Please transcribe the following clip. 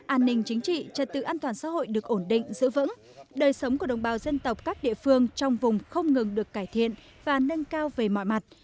an ninh chính trị trật tự an toàn xã hội được ổn định giữ vững đời sống của đồng bào dân tộc các địa phương trong vùng không ngừng được cải thiện và nâng cao về mọi mặt